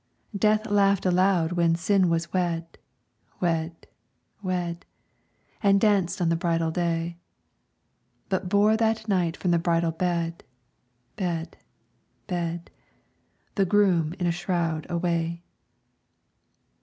Death laughed aloud when Sin was wed, Wed, wed, And danced on the bridal day; But bore that night from the bridal bed, Bed, bed, The groom in a shroud away.